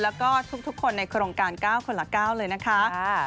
แล้วก็ทุกคนในโครงการก้าวคนละก้าวเลยนะคะ